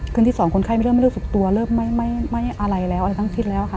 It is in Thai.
ที่สองคนไข้ไม่เริ่มไม่รู้สึกตัวเริ่มไม่อะไรแล้วอะไรทั้งทิศแล้วค่ะ